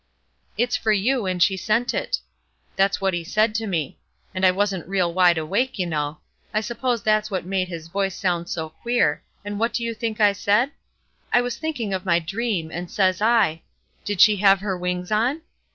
"'It's for you, and she sent it.' That's what he said to me; and I wasn't real wide awake, you know. I suppose that's what made his voice sound so queer; and what do you think I said? I was thinking of my dream, and says I: 'Did she have her wings on?'